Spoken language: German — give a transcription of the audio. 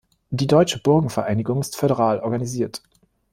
Die Deutsche Burgenvereinigung ist föderal organisiert.